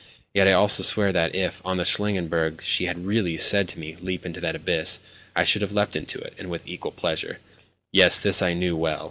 Yet I also swear that if, on the Shlangenberg, she had really said to me, "Leap into that abyss," I should have leapt into it, and with equal pleasure. Yes, this I knew well.